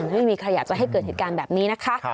ไม่มีใครอยากจะให้เกิดเหตุการณ์แบบนี้นะคะ